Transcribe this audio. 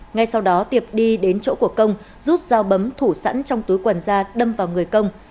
ngay sau đó tiệp đi đến chỗ của công rút dao bấm thủ sẵn trong túi quần ra đâm vào người công